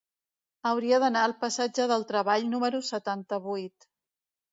Hauria d'anar al passatge del Treball número setanta-vuit.